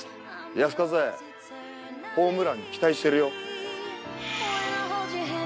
泰風ホームラン期待してるよ。